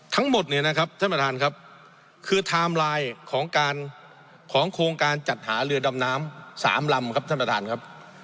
ทั้งหมดคือไทม์ไลน์ของโครงการจัดหาเรือดำน้ำ๓ลำ